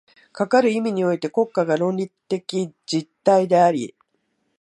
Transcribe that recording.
かかる意味において国家が倫理的実体であり、